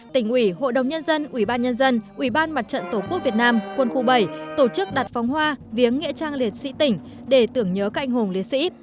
tỉnh ủy hội đồng nhân dân ủy ban nhân dân ủy ban mặt trận tổ quốc việt nam quân khu bảy tổ chức đặt phóng hoa viếng nghĩa trang liệt sĩ tỉnh để tưởng nhớ các anh hùng liệt sĩ